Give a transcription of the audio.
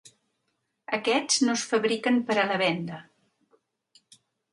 Aquests no es fabriquen per a la venta.